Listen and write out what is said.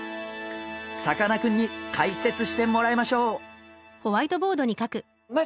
さかなクンに解説してもらいましょう！